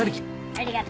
ありがとう。